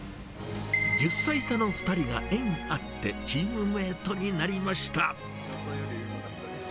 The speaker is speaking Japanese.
１０歳差の２人が縁あってチームメートになりました。